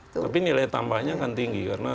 tapi nilai tambahnya akan tinggi karena